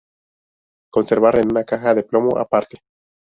Conservar en una caja de plomo aparte.